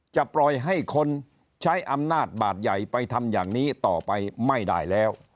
จะปล่อยให้คนใช้อำนาจบาดใหญ่ไปทำอย่างนี้ต่อไปไม่ได้แล้ว